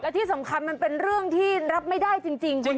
ที่สำคัญมันเป็นเรื่องที่รับไม่ได้จริง